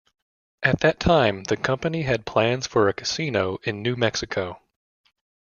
At that time, the company had plans for a casino in New Mexico.